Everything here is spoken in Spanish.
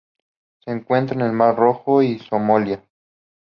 Se encuentra en el mar Rojo y Somalia.